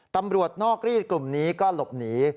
ตำรวจนอกรีดกลุ่มนี้ก็หลบหนี